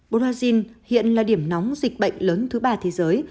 brazil hiện là điểm nóng dịch bệnh lớn thứ ba thế giới